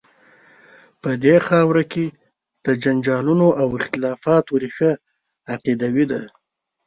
په دې خاوره کې د جنجالونو او اختلافات ریښه عقیدوي ده.